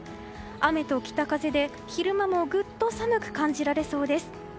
雨と北風で昼間もぐっと寒く感じられそうです。